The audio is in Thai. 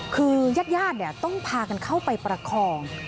คือยาดเนี่ยต้องพากันเข้าไปประครอง